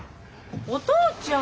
お父ちゃん！